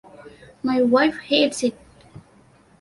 'My wife hates it.